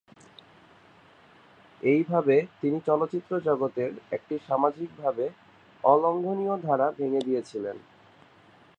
এইভাবে তিনি চলচ্চিত্র জগতের একটি সামাজিকভাবে অলঙ্ঘনীয় ধারা ভেঙ্গে দিয়েছিলেন।